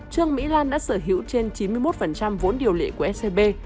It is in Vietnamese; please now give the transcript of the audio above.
trương mỹ lan đã sở hữu trên chín mươi một vốn điều lệ của scb